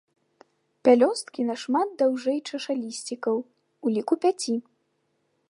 Пялёсткі нашмат даўжэй чашалісцікаў, у ліку пяці.